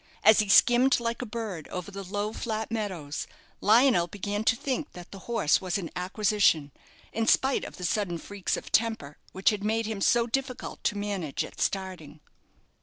As he skimmed like a bird over the low flat meadows, Lionel began to think that the horse was an acquisition, in spite of the sudden freaks of temper which had made him so difficult to manage at starting.